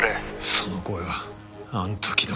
その声はあの時の。